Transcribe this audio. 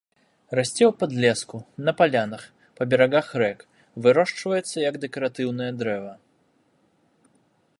Расце ў падлеску, на палянах, па берагах рэк, вырошчваецца як дэкаратыўнае дрэва.